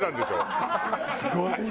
すごい。